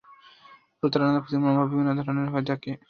প্রতারণার প্রতি মনোভাব বিভিন্ন ধরনের হয়ে থাকে।